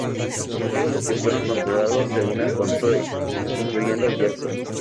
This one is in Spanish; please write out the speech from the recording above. Todos los que fueron controlados, se unen con Zoey, incluyendo a Jackson.